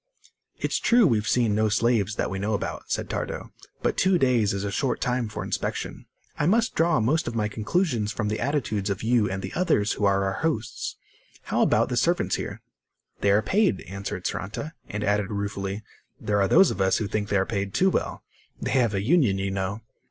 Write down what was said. "It's true we've seen no slaves, that we know about," said Tardo. "But two days is a short time for inspection. I must draw most of my conclusions from the attitudes of you and the others who are our hosts. How about the servants here?" "They are paid," answered Saranta, and added ruefully: "There are those of us who think they are paid too well. They have a union, you know."